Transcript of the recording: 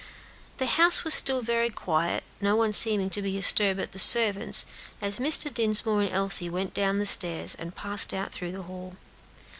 The house was still very quiet, no one seeming to be astir but the servants, as Mr. Dinsmore and Elsie went down the stairs and passed out through the hall.